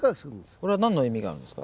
これは何の意味があるんですか？